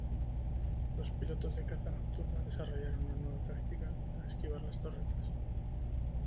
Los pilotos de caza nocturna desarrollaron una nueva táctica para esquivar las torretas.